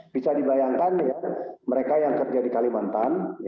bisa dibayangkan ya mereka yang kerja di kalimantan